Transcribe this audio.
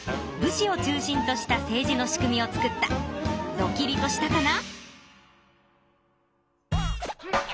ドキリとしたかな？